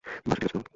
বাসু ঠিক আছে তো?